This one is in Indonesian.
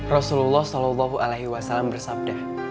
rasulullah sallallahu alaihi wasallam bersabda